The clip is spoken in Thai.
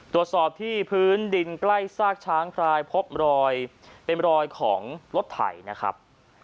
ตรวจสอบที่พื้นดินใกล้ซากช้างพลายพบรอยเป็นรอยของรถไถนะครับ